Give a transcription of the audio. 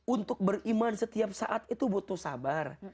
untuk beriman setiap saat itu butuh sabar